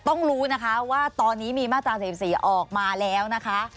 ต้องรู้นะคะว่าตอนนี้มีมาตรา๔๔ออกมาแล้วนะคะ